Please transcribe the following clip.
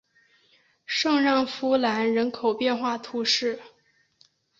圣让夫兰人口变化图示